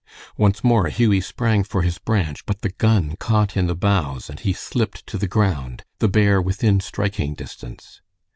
Once more Hughie sprang for his branch, but the gun caught in the boughs and he slipped to the ground, the bear within striking distance.